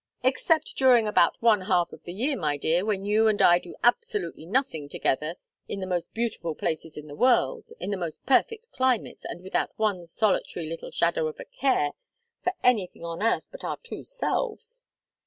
"Except during about one half of the year, my dear, when you and I do absolutely nothing together in the most beautiful places in the world in the most perfect climates, and without one solitary little shadow of a care for anything on earth but our two selves."